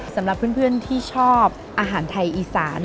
สำหรับเพื่อนที่ชอบอาหารไทยอีสาน